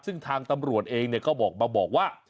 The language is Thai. ซึ่งทางตำรวจเองก็บอกมาบอกว่า